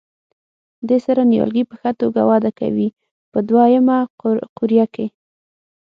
دې سره نیالګي په ښه توګه وده کوي په دوه یمه قوریه کې.